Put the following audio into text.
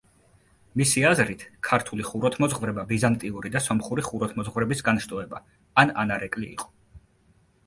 მისი აზრით, ქართული ხუროთმოძღვრება ბიზანტიური და სომხური ხუროთმოძღვრების განშტოება ან ანარეკლი იყო.